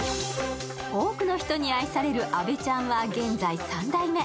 多くの人に愛されるあべちゃんは現在３代目。